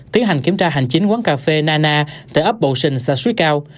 tiến hành kiểm tra hành chính quán cà phê nana tại ấp bầu sinh xã xuối cao